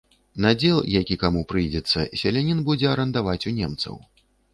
Надзел, які каму прыйдзецца, селянін будзе арандаваць у немцаў.